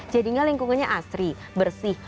jadinya lingkungannya asri bersih